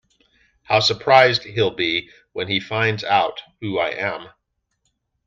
How surprised he’ll be when he finds out who I am!